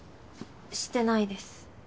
してないです。